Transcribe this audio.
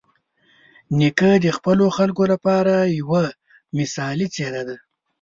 نیکه د خپلو خلکو لپاره یوه مثالي څېره ده.